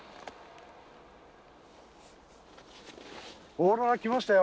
オーロラ来ましたよ！